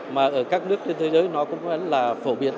mà ở các nước trên thế giới nó cũng là phổ biến